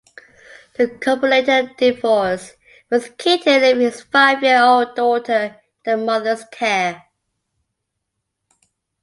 The couple later divorced, with Keaton leaving his five-year-old daughter in her mother's care.